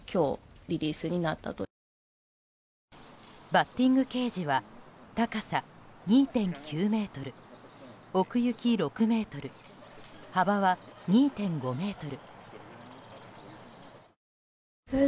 バッティングケージは高さ２．９ｍ、奥行き６ｍ幅は２．５ｍ。